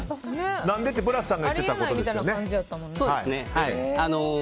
ブラスさんが言っていたことですよね。